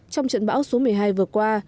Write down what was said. trong trận bão số một mươi hai vừa qua